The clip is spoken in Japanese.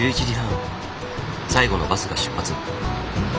最後のバスが出発。